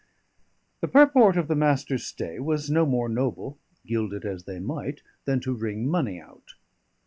The purport of the Master's stay was no more noble (gild it as they might) than to wring money out.